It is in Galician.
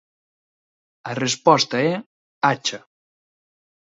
A resposta é: acha.